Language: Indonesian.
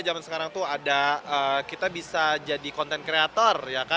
zaman sekarang itu ada kita bisa jadi konten kreator